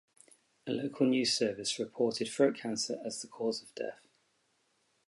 A local news service reported throat cancer as the cause of death.